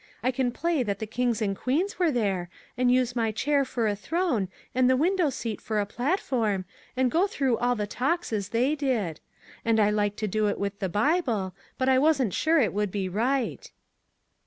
I can play that the kings and queens were there, and use my chair for a throne, and the window seat for a platform, and go through all the talks as they did. And I like to do it with the Bible, but I wasn't sure it would be right."